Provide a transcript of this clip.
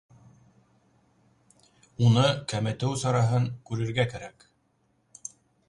Уны кәметеү сараһын күрергә кәрәк.